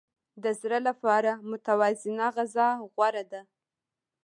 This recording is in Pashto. د زړه لپاره متوازنه غذا غوره ده.